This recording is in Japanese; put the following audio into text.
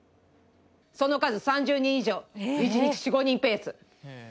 その数３０人以上１日４５人ペース